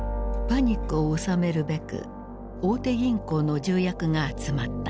パニックを収めるべく大手銀行の重役が集まった。